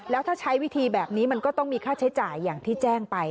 แล้วถ้าใช้วิธีแบบนี้มันก็ต้องมีค่าใช้จ่ายอย่างที่แจ้งไป